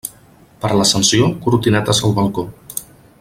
Per l'Ascensió, cortinetes al balcó.